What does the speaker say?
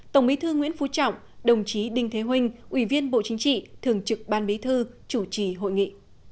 tổng bí thư nguyễn phú trọng đồng chí đinh thế huynh ủy viên bộ chính trị thường trực ban bí thư chủ trì hội nghị